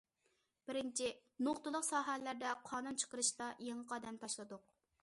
بىرىنچى، نۇقتىلىق ساھەلەردە قانۇن چىقىرىشتا يېڭى قەدەم تاشلىدۇق.